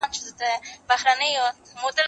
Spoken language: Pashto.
زه به سبا مځکي ته وګورم!؟